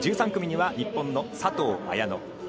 １３組には日本の佐藤綾乃。